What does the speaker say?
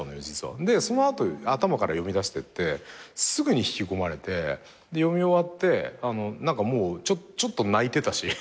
でその後頭から読みだしてってすぐに引き込まれて読み終わってちょっと泣いてたし。